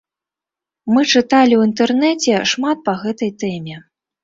Мы чыталі ў інтэрнэце шмат па гэтай тэме.